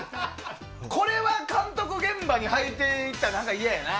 これは、監督現場に履いて行ったらいややな。